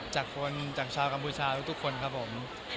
จากคนจากชาวกัมพูชาทุกคนครับผม